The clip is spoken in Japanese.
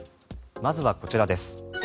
まずはこちらです。